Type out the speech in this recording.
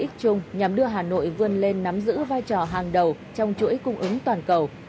trung nhằm đưa hà nội vươn lên nắm giữ vai trò hàng đầu trong chuỗi cung ứng toàn cầu